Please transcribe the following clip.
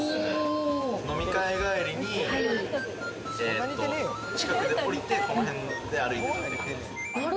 飲み会帰りに近くで降りて、この辺で歩いてたって感じですね。